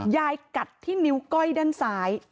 ยายกรรมือที่นิ้วก้อยด้านซ้าย